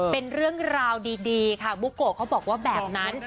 เป็นเรื่องราวดีค่ะบุโกะเขาบอกว่าแบบนั้น